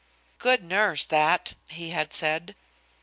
"Good nurse, that," he had said.